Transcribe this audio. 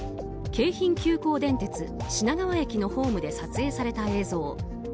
京浜急行電鉄品川駅のホームで撮影された映像。